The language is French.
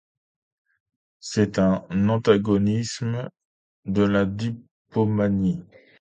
C'est un antagoniste de la dopamine.